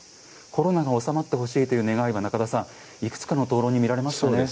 コロナが収まってほしいという願いがいくつかの灯籠に見られましたね。